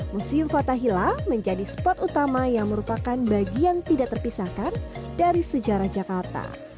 museum fathahila menjadi spot utama yang merupakan bagian tidak terpisahkan dari sejarah jakarta